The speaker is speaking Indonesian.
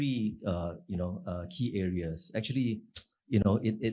dengan tiga hal yang penting ini